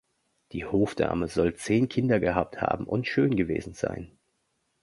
Die Hofdame soll zehn Kinder gehabt haben und schön gewesen sein.